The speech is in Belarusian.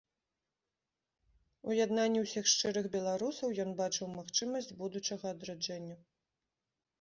У яднанні ўсіх шчырых беларусаў ён бачыў магчымасць будучага адраджэння.